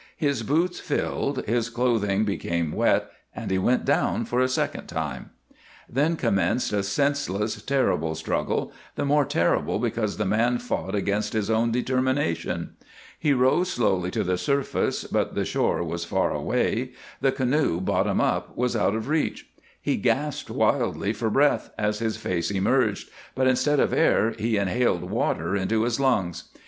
His boots filled, his clothing became wet and he went down for a second time. Then commenced a senseless, terrible struggle, the more terrible because the man fought against his own determination. He rose slowly to the surface, but the shore was far away, the canoe, bottom up, was out of reach. He gasped wildly for breath as his face emerged, but instead of air he inhaled water into his lungs.